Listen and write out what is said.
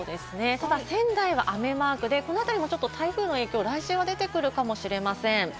ただ仙台は雨マークで、この辺りもちょっと台風の影響、来週は出てくるかもしれません。